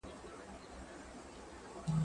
زه به اوږده موده اوبه پاکې کړې وم